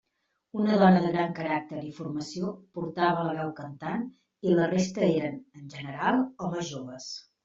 Una dona de gran caràcter i formació portava la veu cantant i la resta eren, en general, homes joves.